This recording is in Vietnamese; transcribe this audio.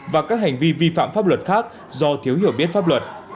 và các hành vi vi phạm pháp luật khác do thiếu hiểu biết pháp luật